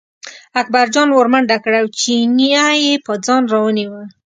اکبرجان ور منډه کړه او چینی یې په ځان راونیوه.